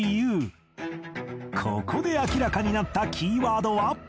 ここで明らかになったキーワードは